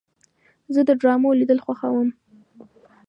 زه د ډرامو لیدل خوښوم.